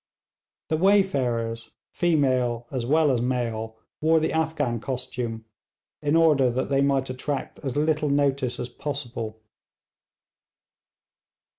The wayfarers, female as well as male, wore the Afghan costume, in order that they might attract as little notice as possible.